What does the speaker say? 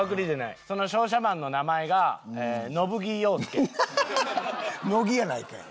その商社マンの名前が乃木やないかい！